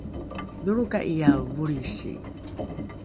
dholroka’iae volrisi?